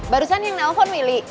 barusan yang nelfon willy